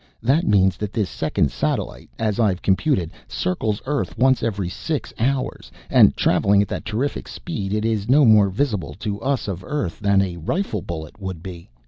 That means that this second satellite, as I've computed, circles Earth once every six hours, and travelling at that terrific speed it is no more visible to us of Earth than a rifle bullet would be."